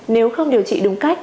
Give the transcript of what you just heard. nếu không điều trị đúng cách